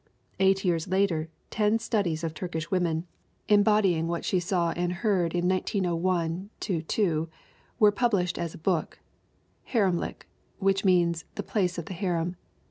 Eight years later ten studies of Turkish women, embodying what she DEMETRA VAKA 287 saw and heard in 1901 2, were published as a book, Haremlik, which means "the place of the harem."